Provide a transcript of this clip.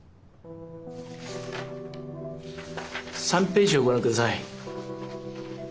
３ページをご覧ください。